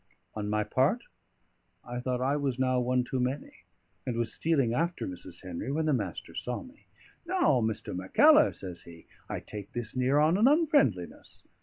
On my part, I thought I was now one too many; and was stealing after Mrs. Henry, when the Master saw me. "Now, Mr. Mackellar," says he, "I take this near on an unfriendliness.